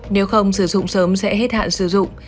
nếu không sử dụng sớm sẽ hết hạn sử dụng